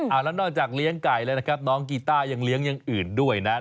แล้วนอกจากเลี้ยงไก่แล้วนะครับน้องกีต้ายังเลี้ยงอย่างอื่นด้วยนะ